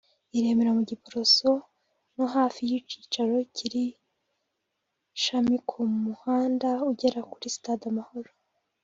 i Remera mu Giporoso no hafi y’icyicaro cy’iri shami ku muhanda ujya kuri stade Amahoro